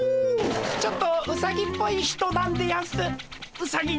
ちょっとウサギっぽい人なんでやんす。